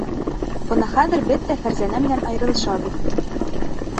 Бына хәҙер беҙ ҙә Фәрзәнә менән айырылышабыҙ.